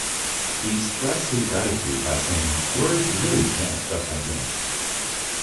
He expressed his gratitude by saying: Words really can't express my feelings.